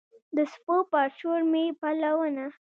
د څپو پر شور مې پلونه